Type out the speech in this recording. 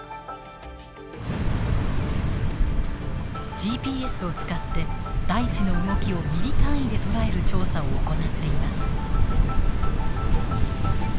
ＧＰＳを使って大地の動きをミリ単位で捉える調査を行っています。